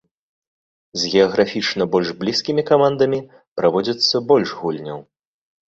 З геаграфічна больш блізкімі камандамі праводзіцца больш гульняў.